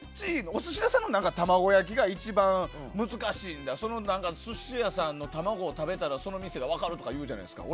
お寿司屋さんの卵焼きが一番難しいんだとかその寿司屋さんの卵を食べたらその店が分かるっていうじゃないですか。